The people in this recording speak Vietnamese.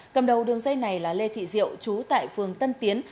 cầm đầu đường dây này là lê thị diệu chú tại phường tân tiến